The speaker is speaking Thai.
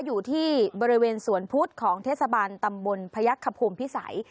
อยู่ที่บริเวณสวนพุธของเทศบาลตำบลพยักษภูมิพิสัย